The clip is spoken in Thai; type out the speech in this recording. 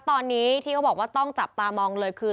ตอนนี้ที่เขาบอกว่าต้องจับตามองเลยคือ